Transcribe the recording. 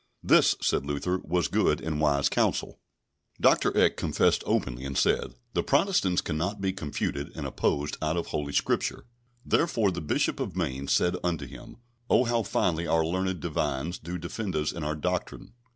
This, said Luther, was good and wise counsel. Dr. Eck confessed openly, and said: "The Protestants cannot be confuted and opposed out of Holy Scriptures." Therefore the Bishop of Mainz said unto him, "Oh, how finely our learned Divines do defend us and our doctrine!"